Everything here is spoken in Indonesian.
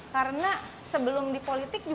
karena sebelum di politik